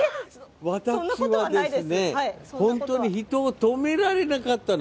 私、ほんとに人を止められなかったの。